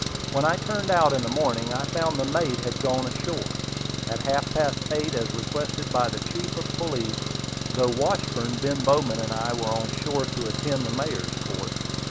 When I turned out in the morning, I found the mate had gone ashore. At half past eight, as requested by the chief of police through Washburn, Ben Bowman and I went on shore to attend the mayor's court.